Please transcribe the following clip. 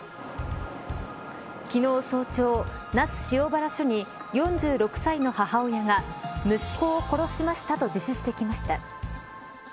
昨日早朝那須塩原署に４６歳の母親が息子を殺しましたと自首してきました。